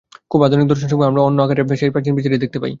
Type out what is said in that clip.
খুব আধুনিক দর্শনসমূহেও আমরা অন্য আকারে সেই প্রাচীন বিচারই দেখিতে পাই।